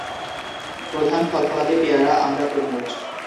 প্রধান ফল-ফলাদি পেয়ারা, আমড়া, তরমুজ।